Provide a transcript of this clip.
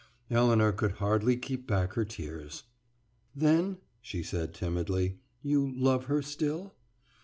Elinor could hardly keep back her tears. "Then," she said timidly, "you love her still?"